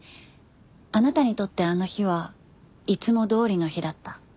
あなたにとってあの日はいつもどおりの日だった。